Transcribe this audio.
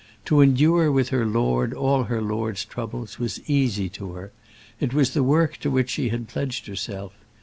To endure with her lord all her lord's troubles was easy to her; it was the work to which she had pledged herself.